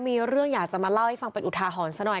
มีเรื่องอยากจะมาเล่าให้ฟังเป็นอุทาหรณ์ซะหน่อย